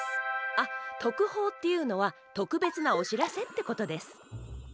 あっ特報って言うのは特別なお知らせってことです。